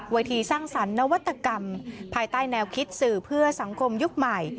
ทีสร้างสรรค์นวัตกรรมภายใต้แนวคิดสื่อเพื่อสังคมยุคใหม่